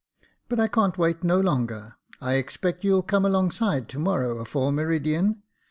But I can't wait no longer. I expect you'll come alongside to morrow afore meridian."